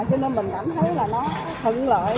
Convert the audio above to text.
cho nên mình cảm thấy là nó thận lợi